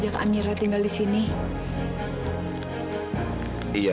tetap masih beristirahat dengan sehat